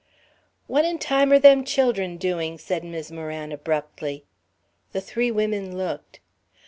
"What in time are them children doing?" said Mis' Moran, abruptly. The three women looked.